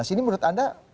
ini menurut anda